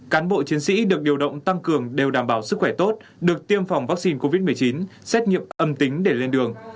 cán bộ chiến sĩ được điều động tăng cường đều đảm bảo sức khỏe tốt được tiêm phòng vaccine covid một mươi chín xét nghiệm âm tính để lên đường